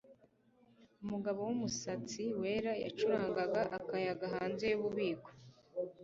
umugabo wumusatsi wera yacurangaga akayaga hanze yububiko